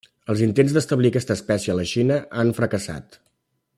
Els intents d'establir aquesta espècie a la Xina han fracassat.